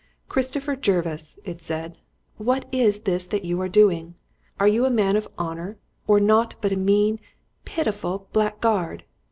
"Christopher Jervis," it said, "what is this that you are doing? Are you a man of honour or nought but a mean, pitiful blackguard?